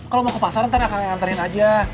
kalo mau ke pasar entin akan anterin aja